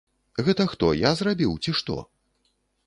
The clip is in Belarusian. Гэта хто, я зрабіў, ці што?